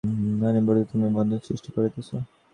অনবরত তুমি এই বন্ধন সৃষ্টি করিতেছ।